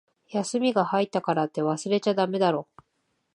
休みが入ったからって、忘れちゃだめだろ。